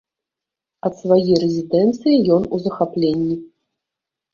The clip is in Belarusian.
Ад свае рэзідэнцыі ён у захапленні.